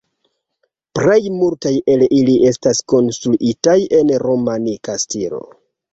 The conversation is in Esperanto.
Plej multaj el ili estas konstruitaj en romanika stilo.